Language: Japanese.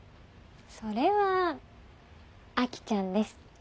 それは亜紀ちゃんです。